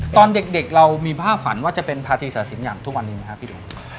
ตอนเด็กเรามีภาพฝันว่าจะเป็นภาษีศาสินอย่างทุกวันนี้ไหมครับพี่หนุ่ม